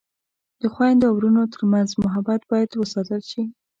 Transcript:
د خویندو او ورونو ترمنځ محبت باید وساتل شي.